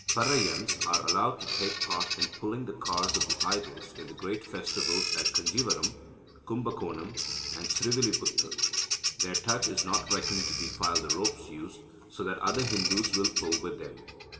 Paraiyans are allowed to take part in pulling the cars of the idols in the great festivals at Conjeeveram, Kumbakonam, and Srivilliputtur. Their touch is not reckoned to defile the ropes used, so that other Hindus will pull with them.